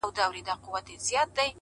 ځوان په لوړ ږغ;